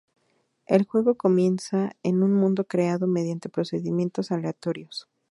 El juego comienza en un mundo creado mediante procedimientos aleatorios.